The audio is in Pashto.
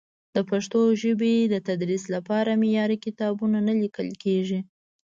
د پښتو ژبې د تدریس لپاره معیاري کتابونه نه لیکل کېږي.